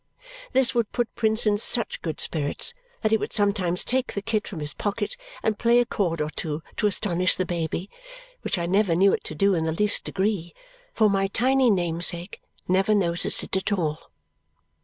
This would put Prince in such good spirits that he would sometimes take the kit from his pocket and play a chord or two to astonish the baby, which I never knew it to do in the least degree, for my tiny namesake never noticed it at all.